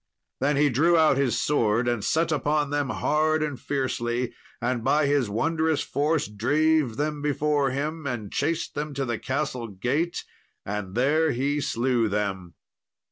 Then he drew out his sword, and set upon them hard and fiercely, and by his wondrous force drave them before him, and chased them to the castle gate, and there he slew them.